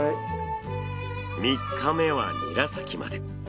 ３日目は韮崎まで。